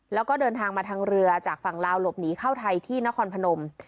แล้วก็เดินทางมาทางเรือจากฝั่งลาวหลบหนีเข้าไทยที่นครพนม